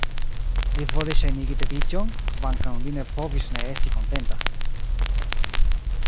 Li volis ŝajnigi tediĝon, kvankam li ne povis ne esti kontenta.